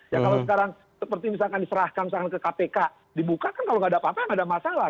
ya kalau sekarang seperti misalkan diserahkan ke kpk dibuka kan kalau nggak ada apa apa nggak ada masalah